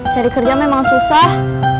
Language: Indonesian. cari kerja memang susah